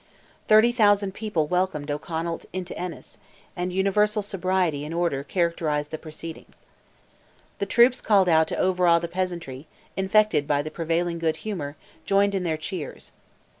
Thirty thousand people welcomed O'Connell into Ennis, and universal sobriety and order characterized the proceedings. The troops called out to overawe the peasantry, infected by the prevailing good humour, joined in their cheers.